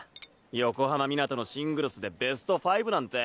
横浜湊のシングルスでベスト５なんて。